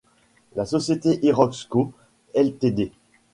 La société Hirox Co., Ltd.